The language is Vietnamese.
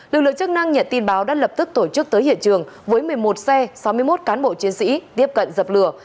lực lượng chức năng nhận tin báo đã lập tức tổ chức tới hiện trường với một mươi một xe sáu mươi một cán bộ chiến sĩ tiếp cận dập lửa